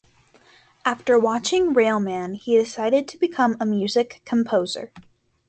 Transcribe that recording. After watching "Railman", he decided to become a music composer.